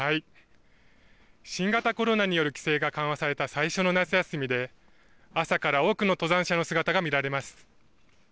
新型コロナによる規制が緩和された最初の夏休みで、朝から多くの登山者の姿が見られます。